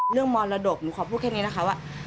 มรดกหนูขอพูดแค่นี้นะคะว่า